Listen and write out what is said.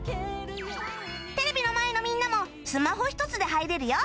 テレビの前のみんなもスマホ１つで入れるよ